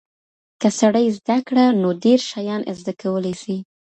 که سړی زده کړه، نو ډیر شیان زده کولی سي.